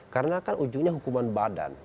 karena kan ujungnya hukuman badan